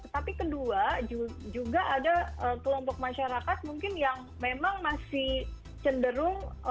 tapi kedua juga ada kelompok masyarakat mungkin yang memang masih cenderung